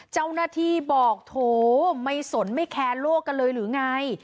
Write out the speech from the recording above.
เจ้าหน้าที่บอกโถไม่สนไม่แคร์โลกกันเลยหรือไง